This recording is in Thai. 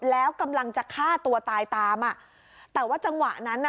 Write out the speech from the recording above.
แล้วกำลังจะฆ่าตัวตายตามอ่ะแต่ว่าจังหวะนั้นน่ะ